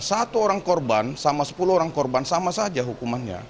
satu orang korban sama sepuluh orang korban sama saja hukumannya